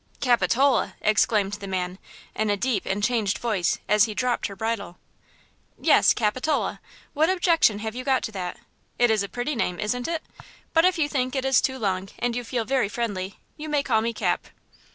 "Capitola!" exclaimed the man, in a deep and changed voice, as he dropped her bridle. "Yes–Capitola; what objection have you got to that? It is a pretty name, isn't it? But if you think it is too long, and you feel very friendly, you may call me Cap."